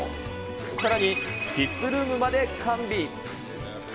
さらに、キッズルームまで完備。